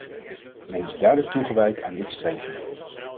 Men is duidelijk toegewijd aan dit streven.